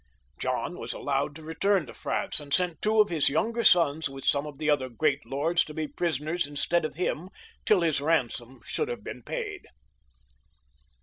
John was allowed to return to France, and sent two of his younger sons with some of the other great lords to be prisoners instead of him tiU his ransom should have been paid.